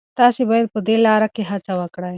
تاسي باید په دې لاره کي هڅه وکړئ.